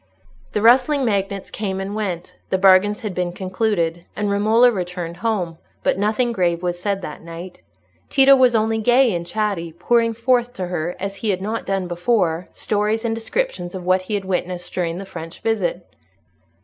The rustling magnates came and went, the bargains had been concluded, and Romola returned home; but nothing grave was said that night. Tito was only gay and chatty, pouring forth to her, as he had not done before, stories and descriptions of what he had witnessed during the French visit.